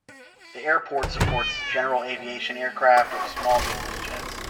The airport supports general aviation aircraft or small business jets.